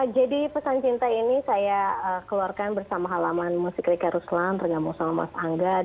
jadi pesan cinta ini saya keluarkan bersama halaman musik rika ruslan tgm mas angga